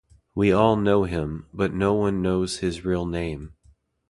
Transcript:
We all know him, but no one knows his real name.